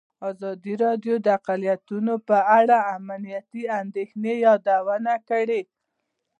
ازادي راډیو د اقلیتونه په اړه د امنیتي اندېښنو یادونه کړې.